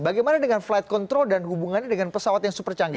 bagaimana dengan flight control dan hubungannya dengan pesawat yang super canggih